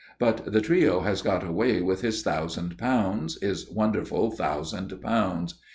But the trio has got away with his thousand pounds, his wonderful thousand pounds.